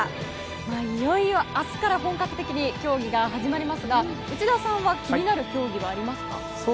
いよいよ明日から本格的に競技が始まりますが内田さんは気になる競技はありますか？